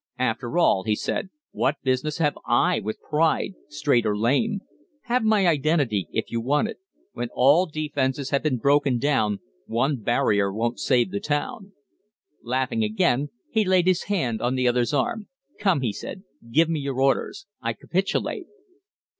"After all," he said, "what business have I with pride, straight or lame? Have my identity, if you want it. When all defences have been broken down one barrier won't save the town." Laughing again, he laid his hand on the other's arm. "Come," he said, "give your orders. I capitulate."